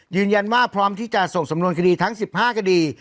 ยืนยันว่าพร้อมที่จะส่งสำนวนคดีทั้งสิบห้าคดี